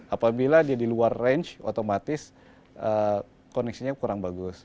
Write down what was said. apabila dia di luar range otomatis koneksinya kurang bagus